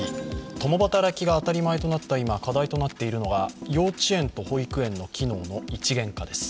共働きが当たり前となった今、課題となっているのが幼稚園と保育園の機能の一元化です。